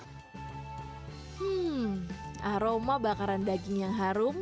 hmm aroma bakaran daging yang harum